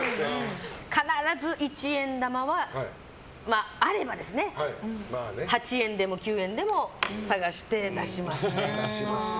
必ず一円玉はあれば８円でも９円でも探して出しますね。